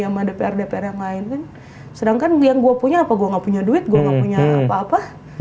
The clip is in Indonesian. sama dpr dpr yang lain sedangkan yang gue punya apa gua nggak punya duit gua nggak punya apa apa